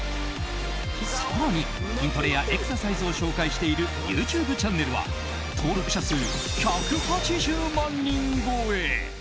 更に、筋トレやエクササイズを紹介しているＹｏｕＴｕｂｅチャンネルは登録者数１８０万人超え！